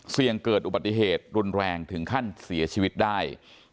เสี่ยงเกิดอุบัติเหตุรุนแรงถึงขั้นเสียชีวิตได้